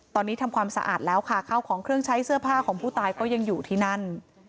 ตอนนี้ทำความสะอาดแล้วค่ะข้าวของเครื่องใช้เสื้อผ้าของผู้ตายก็ยังอยู่ที่นั่น